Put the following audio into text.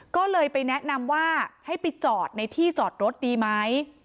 ก็เลยไปแนะนำว่าให้ไปจอดในที่จอดรถดีไหม